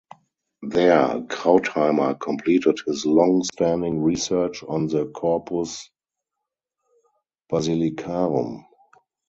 There, Krautheimer completed his long-standing research on the "Corpus Basilicarum".